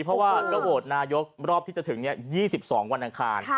เพราะว่าก็โหวตนายกรอบที่จะถึง๒๒วันอังคาร